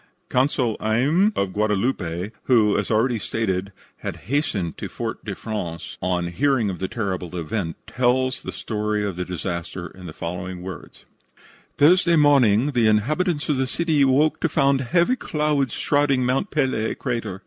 Consul Ayme, of Guadeloupe, who, as already stated, had hastened to Fort de France on hearing of the terrible event, tells the story of the disaster in the following words: "Thursday morning the inhabitants of the city awoke to find heavy clouds shrouding Mont Pelee crater.